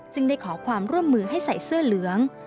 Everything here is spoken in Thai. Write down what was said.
ได้ขอความร่วมมือให้ใส่เสื้อเหลือง